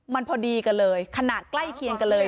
มันพอดีกันเลยขนาดใกล้เคียงกันเลย